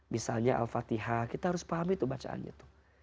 misalnya al fatihah kita harus pahami tuh bacaannya tuh